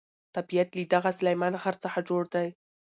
طبیعت له دغه سلیمان غر څخه جوړ دی.